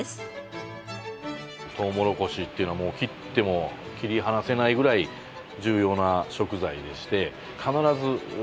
とうもろこしっていうのはもう切っても切り離せないぐらい重要な食材でして必ず使う食材の一つ。